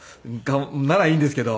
ならいいんですけど。